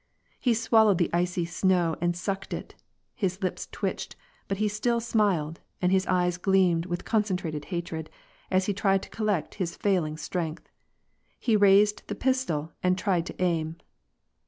He swallowed the icy snow and sucked it ; his lips twitched ; but he still smiled, and his eyes gleamed with concentrated hatred, as he tried to collect his failing strength. He raised the pistol and tried to aim.